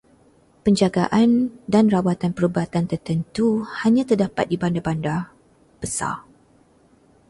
Penjagaan dan rawatan perubatan tertentu hanya terdapat di bandar-bandar besar.